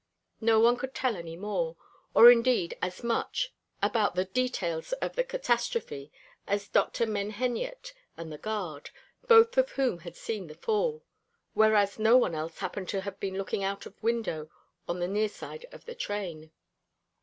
No one could tell any more, or indeed as much about the details of the catastrophe as Dr. Menheniot and the guard, both of whom had seen the fall: whereas no one else happened to have been looking out of window on the near side of the train.